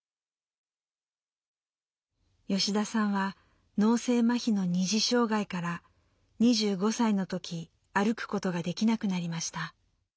吉田さんは脳性まひの二次障害から２５歳の時歩くことができなくなりました。